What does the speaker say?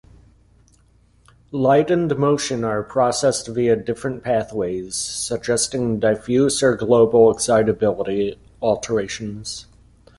Light and motion are processed via different pathways, suggesting diffuse or global excitability alterations.